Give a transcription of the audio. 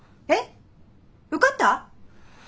えっ受かった？